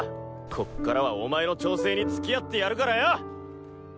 こっからはお前の調整につきあってやるからよ。